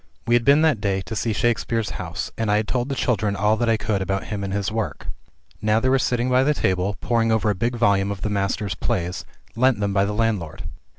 We had been that day to see Shakespeare's house, and I had told the children all that I could about him and his work. Now they were sitting by the table, poring over a big volume of the Master's plays, lent them by the landlord.